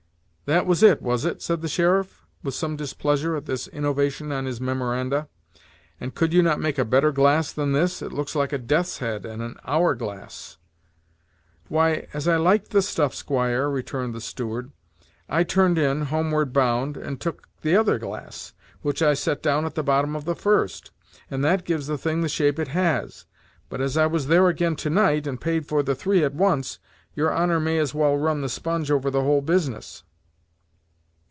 "That was it, was it?" said the sheriff, with some displeasure at this innovation on his memoranda; "and could you not make a better glass than this? it looks like a death's head and an hour glass." "Why, as I liked the stuff, squire," returned the steward, "I turned in, homeward bound, and took t'other glass, which I set down at the bottom of the first, and that gives the thing the shape it has. But as I was there again to night, and paid for the three at once, your honor may as well run the sponge over the whole business."